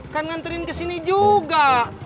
kan nganterin ke sini juga